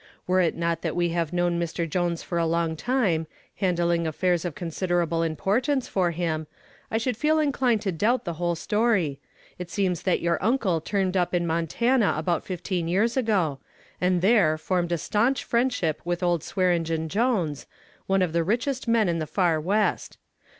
Were it not that we have known Mr. Jones for a long time, handling affairs of considerable importance for him, I should feel inclined to doubt the whole story. It seems that your uncle turned up in Montana about fifteen years ago and there formed a stanch friendship with old Swearengen Jones, one of the richest men in the far West.